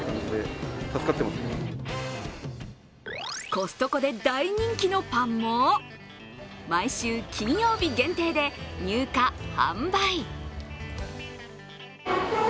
コストコで大人気のパンも毎週金曜日限定で入荷・販売。